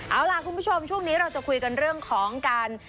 เอาล่ะคุณผู้ชมช่วงนี้เราจะคุยกันเรื่องของการ